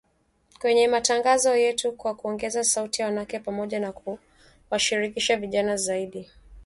kwenye matangazo yetu kwa kuongeza sauti za wanawake, pamoja na kuwashirikisha zaidi vijana